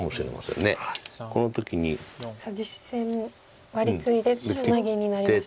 さあ実戦ワリツイでツナギになりました。